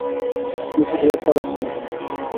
Mrs Repler আছেন এখানে।